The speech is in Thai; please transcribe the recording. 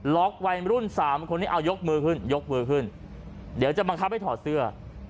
ล็อกวัยรุ่น๓คนนี้เอายกมือขึ้นเดี๋ยวจะบังคับให้ถอดเสื้อ